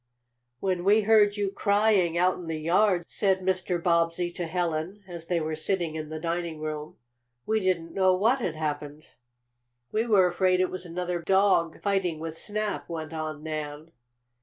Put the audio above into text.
"When we heard you crying, out in the yard," said Mr. Bobbsey to Helen, as they were sitting in the dining room, "we didn't know what had happened." "We were afraid it was another dog fighting with Snap," went on Nan.